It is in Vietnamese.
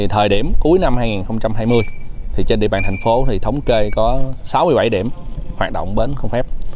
thời điểm cuối năm hai nghìn hai mươi trên địa bàn thành phố thống kê có sáu mươi bảy điểm hoạt động bến không phép